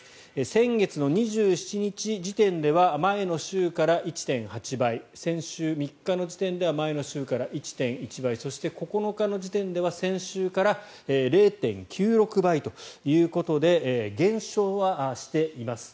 先月２７日時点では前の週から１．８倍先週３日の時点では前の週から１．１倍そして、９日の時点では先週から０．９６倍ということで減少はしています。